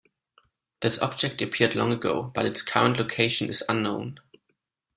This object appeared long ago, but its current location is unknown.